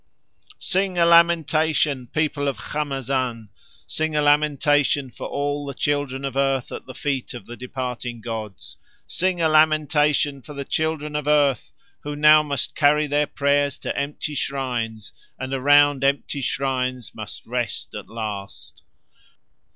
'Sing a lamentation, people of Khamazan, sing a lamentation for all the children of earth at the feet of the departing gods. Sing a lamentation for the children of earth who now must carry their prayers to empty shrines and around empty shrines must rest at last.